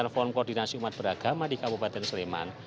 konkoordinasi umat beragama di kabupaten sleman